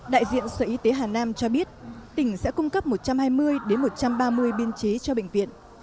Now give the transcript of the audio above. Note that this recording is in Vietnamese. đại diện sở y tế hà nam cho biết tỉnh sẽ cung cấp một trăm hai mươi một trăm ba mươi biên chế cho bệnh viện